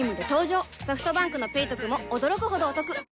ソフトバンクの「ペイトク」も驚くほどおトク